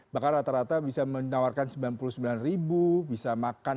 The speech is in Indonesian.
bahkan rata rata bisa menawarkan sembilan puluh sembilan ribu bisa makan